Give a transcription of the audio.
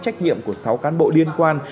trách nhiệm của sáu cán bộ liên quan